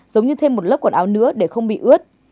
giống như thêm một lớp quần áo nữa để không bị ướt